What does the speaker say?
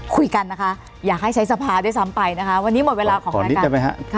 คุยกันนะคะอยากให้ใช้สภาด้วยซ้ำไปนะคะวันนี้หมดเวลาของวันนี้ได้ไหมฮะ